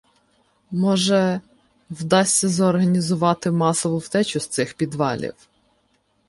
Може, вдасться зорганізувати масову втечу з цих підвалів.